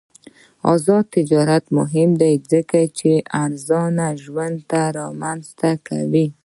آزاد تجارت مهم دی ځکه چې ارزان ژوند رامنځته کوي.